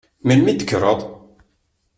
Melmi i d-tekkreḍ?